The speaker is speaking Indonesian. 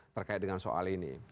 terkait dengan soal ini